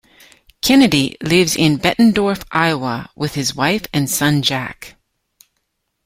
Kennedy lives in Bettendorf, Iowa with his wife and son, Jack.